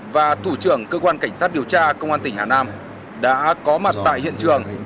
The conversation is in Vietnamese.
và thủ trưởng cơ quan cảnh sát điều tra công an tỉnh hà nam đã có mặt tại hiện trường